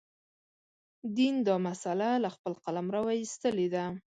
دین دا مسأله له خپل قلمروه ایستلې ده.